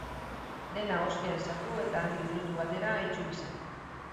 Denda-ostean sartu eta handik minutu batera itzuli zen.